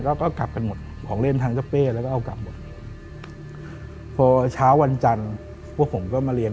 ก็ก็กลับกันหมดของเล่นทางเจ้าเป้แล้วก็เอากลับหมดพอเช้าวันจันทร์พวกผมก็มาเรียน